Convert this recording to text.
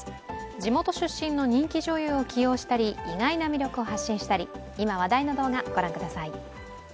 地元出身の人気女優を起用したり、意外な魅力を発信したり、今話題の動画、御覧ください。